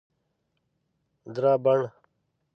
درابڼ